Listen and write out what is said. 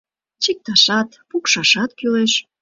Чикташат, пукшашат кӱлеш.